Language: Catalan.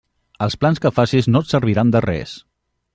Els plans que facis no et serviran de res.